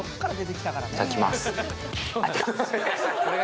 いただきます